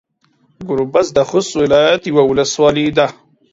ګوربز د خوست ولايت يوه ولسوالي ده.